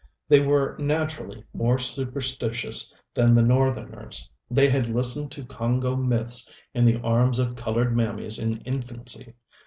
They were naturally more superstitious than the Northerners. They had listened to Congo myths in the arms of colored mammies in infancy.